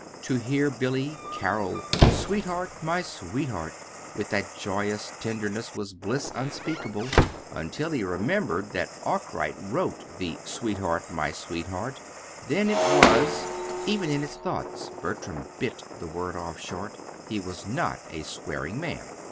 To hear Billy carol "Sweetheart, my sweetheart!" with that joyous tenderness was bliss unspeakable until he remembered that Arkwright wrote the "Sweetheart, my sweetheart!" then it was (Even in his thoughts Bertram bit the word off short. He was not a swearing man.)